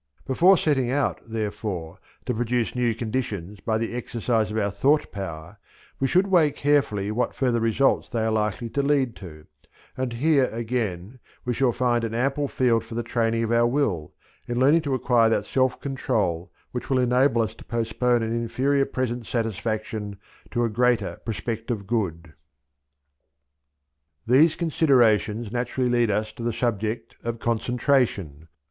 Before setting out, therefore, to produce new conditions by the exercise of our thought power we should weigh carefully what further results they are likely to lead to; and here, again, we shall find an ample field for the training of our will, in learning to acquire that self control which will enable us to postpone an inferior present satisfaction to a greater prospective good. These considerations naturally lead us to the subject of concentration.